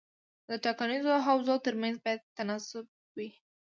د ټاکنیزو حوزو ترمنځ باید تناسب وي.